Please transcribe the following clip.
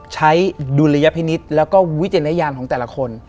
ใช้ดุลยพินิษฐ์และวิเวณระยาลของแต่ละคน